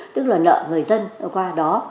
tức là nợ người dân vừa qua đó